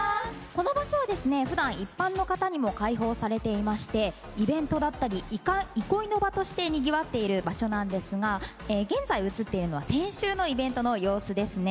この場所は普段一般の方にも開放されていましてイベントだったり憩いの場としてにぎわっている場所なんですが現在映っているのは先週のイベントの様子ですね。